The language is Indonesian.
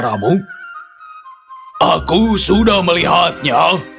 aku sudah melihatnya